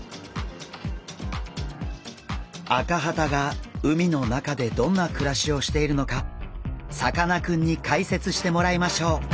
アカハタが海の中でどんな暮らしをしているのかさかなクンに解説してもらいましょう。